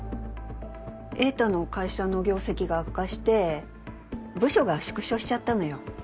栄太の会社の業績が悪化して部署が縮小しちゃったのよ。